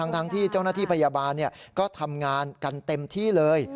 ทั้งที่เจ้าหน้าที่พยาบาลก็ทำงานกันเต็มที่เลย